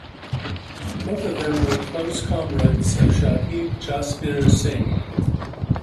Both of them were close comrades of Shaheed Jasbir Singh.